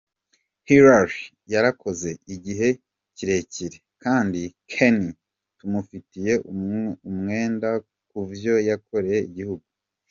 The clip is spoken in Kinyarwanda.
"Hillary yarakoze igihe kirekire kandi cane, tumufitiye umwenda ku vyo yakoreye igihugu.